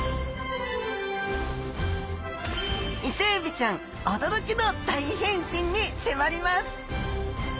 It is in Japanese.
イセエビちゃん驚きの大変身に迫ります！